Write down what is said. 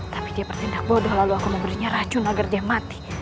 tapi dia bertindak bodoh lalu aku memberinya racun agar dia mati